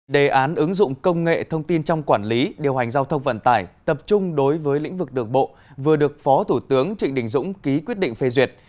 đề án ứng dụng công nghệ thông tin trong quản lý điều hành giao thông vận tải tập trung đối với lĩnh vực đường bộ vừa được phó thủ tướng trịnh đình dũng ký quyết định phê duyệt